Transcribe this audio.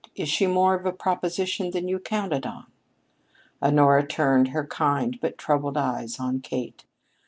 Is she more of a proposition than you counted on?" Honora turned her kind but troubled eyes on Kate.